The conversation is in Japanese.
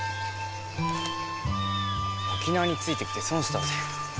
沖縄についてきて損したぜ。